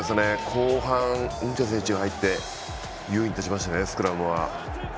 後半、ヌチェ選手が入って優位に立ちましたね、スクラムは。